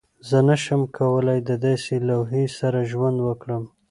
زه نشم کولی د داسې لوحې سره ژوند وکړم